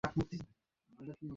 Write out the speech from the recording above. মনে পড়ে কিছু?